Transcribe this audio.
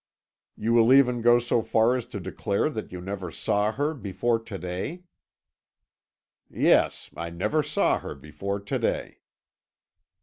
"You will even go so far as to declare that you never saw her before to day?" "Yes; I never saw her before to day."